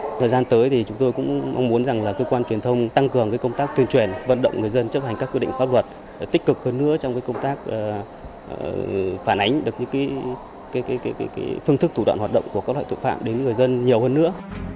thời gian tới thì chúng tôi cũng mong muốn rằng là cơ quan truyền thông tăng cường công tác tuyên truyền vận động người dân chấp hành các quy định pháp luật tích cực hơn nữa trong công tác phản ánh được những phương thức thủ đoạn hoạt động của các loại tội phạm đến người dân nhiều hơn nữa